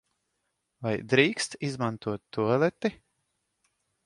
Vai drīkst izmantot tualeti?